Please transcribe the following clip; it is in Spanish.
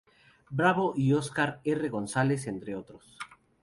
Bravo y Oscar R. González, entre otros.